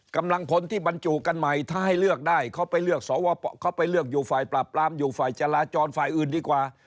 กำลังพลที่บรรจุกันใหม่ถ้าให้เลือกได้เขาไปเลือกสวเขาไปเลือกอยู่ฝ่ายปราบปรามอยู่ฝ่ายจราจรฝ่ายอื่นดีกว่า